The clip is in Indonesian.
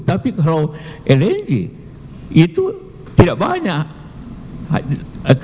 tapi kalau lng itu tidak banyak